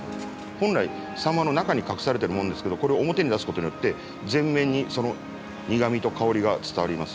本来サンマの中に隠されているものですけどこれを表に出すことによって前面にその苦みと香りが伝わります。